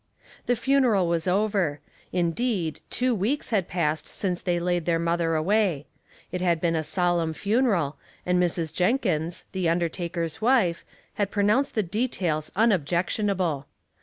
The funeral was over ; indeed, two weeks had passed since they laid their mother away. It had been a solemn funeral, and Mrs. Jenkins, the undertaker's wife, had pronounced the details unobjectionable.